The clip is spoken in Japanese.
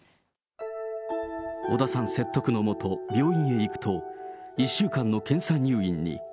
小田さん説得のもと、病院へ行くと、１週間の検査入院に。